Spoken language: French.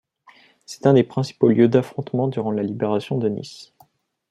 C'est un des principaux lieux d'affrontement durant la libération de Nice.